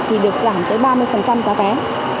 thì được giảm tới ba mươi giá vé